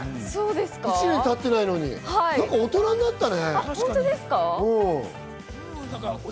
１年たってないのに何か大人になったね。